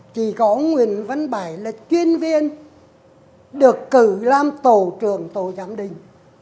chỉ có nguyễn văn bảy là chuyên viên được cử làm tổ trưởng tổ giám định